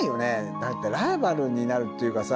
だってライバルになるっていうかさ。